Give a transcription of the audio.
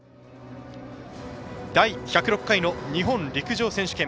第１０６回日本陸上選手権。